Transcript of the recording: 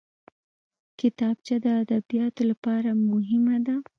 کتابچه د ادبیاتو لپاره مهمه ده